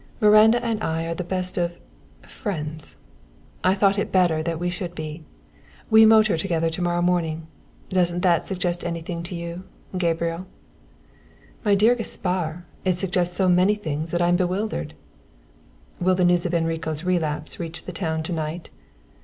"Miranda and I are the best of friends. I thought it better that we should be. We motor together to morrow morning. Doesn't that suggest anything to you, Gabriel?" "My dear Gaspar, it suggests so many things that I'm bewildered." "Will the news of Enrico's relapse reach the town to night?"